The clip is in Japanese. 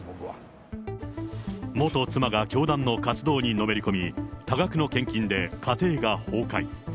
元妻が教団の活動にのめり込み、多額の献金で家庭が崩壊。